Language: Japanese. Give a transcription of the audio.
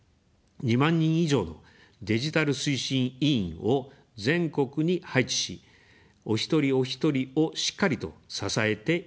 ２万人以上のデジタル推進委員を全国に配置し、お一人おひとりをしっかりと支えていきます。